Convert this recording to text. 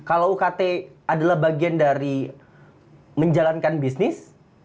kalau ukt adalah bagian dari menjalankan bisnis